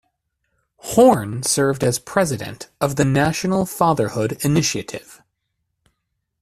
Horn served as president of the National Fatherhood Initiative.